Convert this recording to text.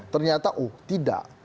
ternyata oh tidak